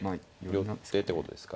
寄ってってことですか。